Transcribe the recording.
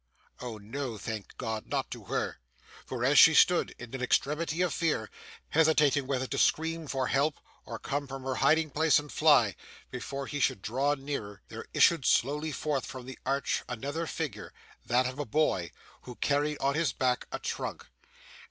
oh no, thank God, not to her; for as she stood, in an extremity of fear, hesitating whether to scream for help, or come from her hiding place and fly, before he should draw nearer, there issued slowly forth from the arch another figure that of a boy who carried on his back a trunk.